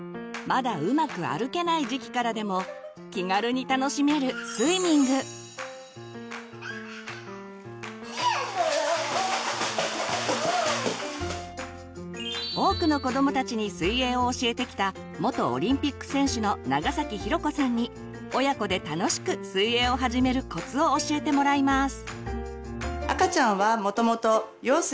まだうまく歩けない時期からでも気軽に楽しめる多くの子どもたちに水泳を教えてきたに親子で楽しく水泳を始めるコツを教えてもらいます。